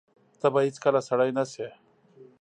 ته به هیڅکله سړی نه شې !